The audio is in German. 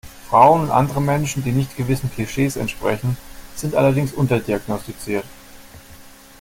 Frauen und andere Menschen, die nicht gewissen Klischees entsprechen, sind allerdings unterdiagnostiziert.